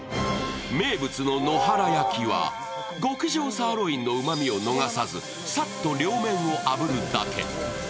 名物の野原焼きは、極上サーロインのうまみを逃さず、さっと両面をあぶるだけ。